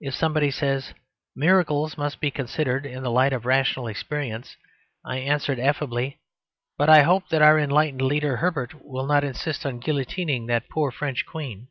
If somebody says, "Miracles must be reconsidered in the light of rational experience," I answer affably, "But I hope that our enlightened leader, Hébert, will not insist on guillotining that poor French queen."